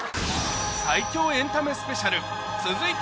最強エンタメスペシャル。